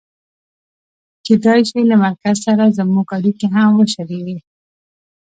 کېدای شي له مرکز سره زموږ اړیکې هم وشلېږي.